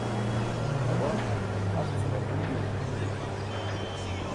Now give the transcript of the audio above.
awa asce ġalġu duu biyen